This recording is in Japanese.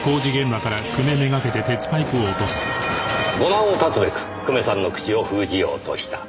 後難を断つべく久米さんの口を封じようとした。